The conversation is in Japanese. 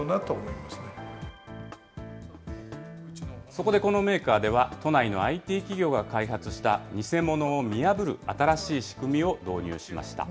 そこでこのメーカーでは、都内のＩＴ企業が開発した、偽物を見破る新しい仕組みを導入しました。